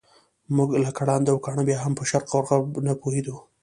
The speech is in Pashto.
موږ لکه ړانده او کاڼه بیا هم په شرق او غرب نه پوهېدو.